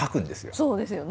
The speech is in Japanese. そうですよね